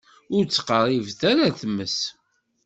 Ur ttqeṛṛibet ara ar tmes.